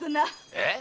えっ！